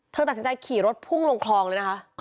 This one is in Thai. ตัดสินใจขี่รถพุ่งลงคลองเลยนะคะ